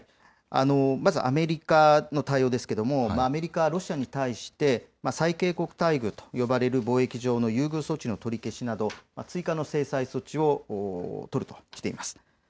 まずアメリカの対応ですけれどもアメリカはロシアに対して最恵国待遇と呼ばれる貿易上の優遇措置の取り消しなど追加の経済措置を取るとしています。